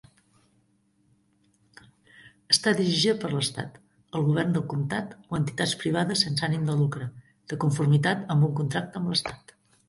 Està dirigida per l'estat, el govern del comtat o entitats privades sense ànim de lucre, de conformitat amb un contracte amb l'estat.